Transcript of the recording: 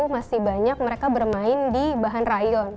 masih banyak mereka bermain di bahan rayon